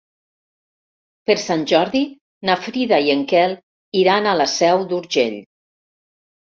Per Sant Jordi na Frida i en Quel iran a la Seu d'Urgell.